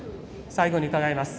最後に伺います。